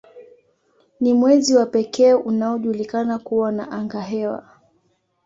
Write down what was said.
Ni mwezi wa pekee unaojulikana kuwa na angahewa.